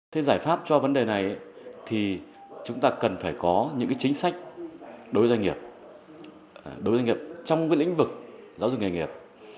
thế giải pháp cho vấn đề này thì chúng ta cần phải có những chính sách đối doanh nghiệp trong lĩnh vực giáo dục nghề nghiệp